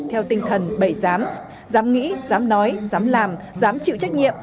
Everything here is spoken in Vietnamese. theo tinh thần bậy giám giám nghĩ giám nói giám làm giám chịu trách nhiệm